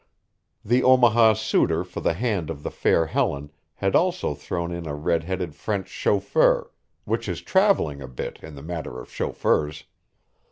The Omaha suitor for the hand of the fair Helen had also thrown in a red headed French chauffeur, which is travelling a bit in the matter of chauffeurs.